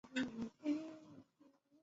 清朝嘉庆年间重修。